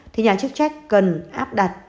thì nhà chức trách cần áp đặt